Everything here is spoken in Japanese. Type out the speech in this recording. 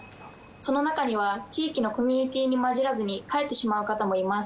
その中には地域のコミュニティーに交じらずに帰ってしまう方もいます。